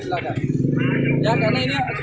sudah ada yang menanggung